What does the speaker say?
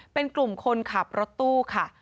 เป็นกลุ่มคนขับรถตู้ค่ะ